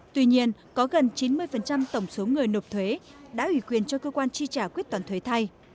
tuy nhiên có gần chín mươi tổng số người nộp thuế đã ủy quyền cho cơ quan chi trả quyết toán thuế thay